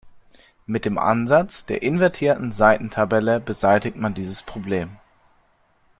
Mit dem Ansatz der invertierten Seitentabelle beseitigt man dieses Problem.